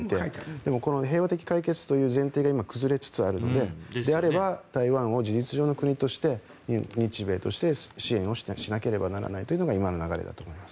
でも、平和的解決という前提が崩れつつあるのでであれば台湾を事実上の国として日米として支援をしなければならないというのが今の流れだと思います。